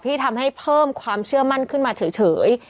ที่ทำให้เพิ่มความเชื่อมั่นขึ้นมาเฉย